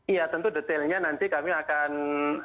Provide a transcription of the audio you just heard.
iya tentu detailnya nanti kami akan